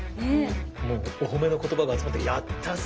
もうお褒めの言葉が集まってやったぜ！